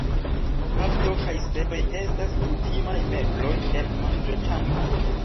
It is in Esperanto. Tablo kaj seĝoj estas kutimaj mebloj en manĝoĉambro.